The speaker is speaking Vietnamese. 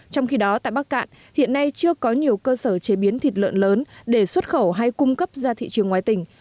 trong khi đó tại bắc cạn hiện nay chưa có nhiều cơ sở chế biến thịt lợn lớn để xuất khẩu hay cung cấp ra thị trường ngoài tỉnh